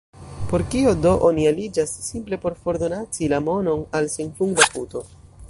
Por kio do oni aliĝas, simple por fordonaci la monon al senfunda puto?